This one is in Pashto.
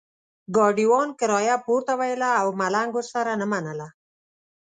ګاډیوان کرایه پورته ویله او ملنګ ورسره نه منله.